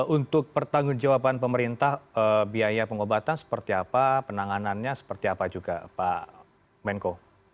untuk pertanggung jawaban pemerintah biaya pengobatan seperti apa penanganannya seperti apa juga pak menko